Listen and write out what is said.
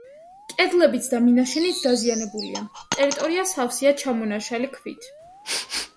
კედლებიც და მინაშენიც დაზიანებულია; ტერიტორია სავსეა ჩამონაშალი ქვით.